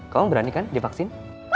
kamu berani kan divaksin